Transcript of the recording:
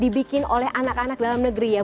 dibikin oleh anak anak dalam negeri ya